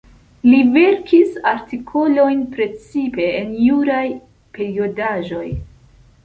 Li verkis artikolojn precipe en juraj periodaĵoj.